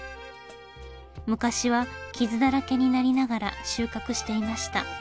昔は傷だらけになりながら収穫していました。